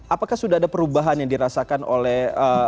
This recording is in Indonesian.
apakah sudah ada perubahan yang dirasakan oleh